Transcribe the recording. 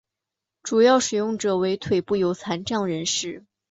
主要使用者为腿部有残障人士。